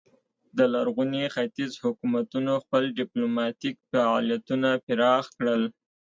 د لرغوني ختیځ حکومتونو خپل ډیپلوماتیک فعالیتونه پراخ کړل